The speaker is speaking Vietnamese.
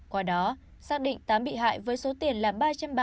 qua đó xác định tám bị hại với số tiền làm bạc